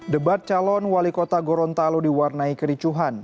debat calon wali kota gorontalo diwarnai kericuhan